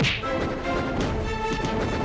tidak ada pahwa